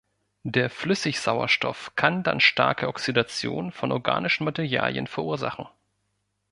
Der Flüssigsauerstoff kann dann starke Oxidation von organischen Materialien verursachen.